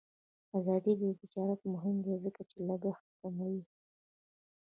آزاد تجارت مهم دی ځکه چې لګښت کموي.